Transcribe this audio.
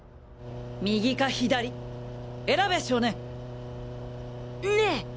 右か左選べ少年！ねぇ